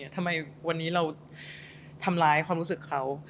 ทำไมวันนี้เราทำร้ายความรู้สึกเขา